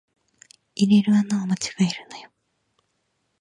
入れる穴を間違えるなよ